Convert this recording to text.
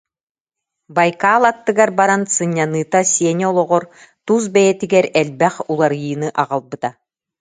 Байкал аттыгар баран сынньаныыта Сеня олоҕор, тус бэйэтигэр элбэх уларыйыыны аҕалбыта